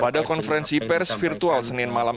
pada konferensi pers virtual senin malam